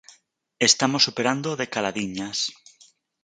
Estamos superando o de caladiñas.